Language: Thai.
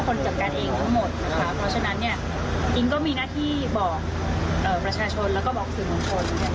ทำไมต้องเป็นคุณลุ้งอิ๊งเลือกสนามบินดอนเมือง